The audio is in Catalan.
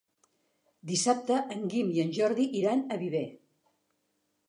Dissabte en Guim i en Jordi iran a Viver.